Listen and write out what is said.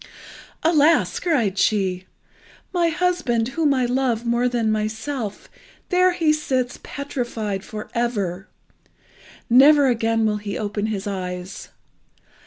"Alas!" cried she, "my husband, whom I love more than myself, there he sits petrified for ever. Never again will he open his eyes!